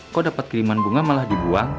kok dapat kiriman bunga malah dibuang